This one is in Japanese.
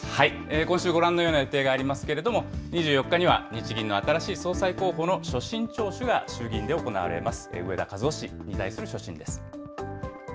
今週、ご覧のような予定がありますけれども、２４日には日銀の新しい総裁候補の所信聴取が衆議院で行われます。